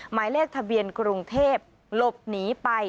หมายเลขทะเบียนกรุงเทพหลบหนีไป